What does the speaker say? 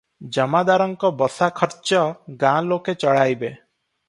"ଜମାଦାରଙ୍କ ବସା ଖର୍ଚ୍ଚ ଗାଁ ଲୋକେ ଚଳାଇବେ ।